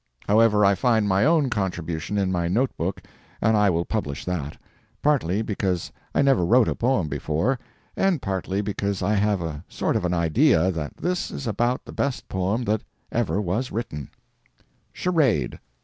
However, I find my own contribution in my note book, and I will publish that—partly because I never wrote a poem before, and partly because I have a sort of an idea that this is about the best poem that ever was written: Charade.